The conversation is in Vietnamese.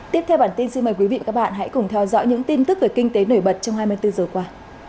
tiếp theo bản tin xin mời quý vị và các bạn hãy cùng theo dõi những tin tức về kinh tế nổi bật trong hai mươi bốn giờ qua